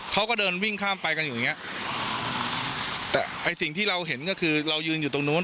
เขาก็เดินวิ่งข้ามไปกันอยู่อย่างเงี้ยแต่ไอ้สิ่งที่เราเห็นก็คือเรายืนอยู่ตรงนู้น